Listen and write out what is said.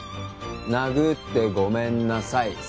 殴ってごめんなさい